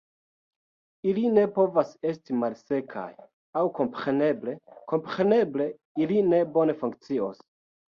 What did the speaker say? Ili ne povas esti malsekaj, aŭ kompreneble, kompreneble ili ne bone funkcios.